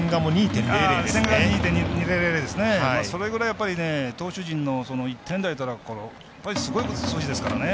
それぐらい投手陣の１点台というのはすごい数字ですからね。